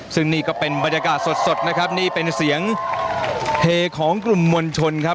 ซึ่งนี่ก็เป็นบรรยากาศสดนะครับนี่เป็นเสียงเฮของกลุ่มมวลชนครับ